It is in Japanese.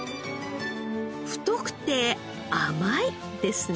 「太くて甘い」ですね。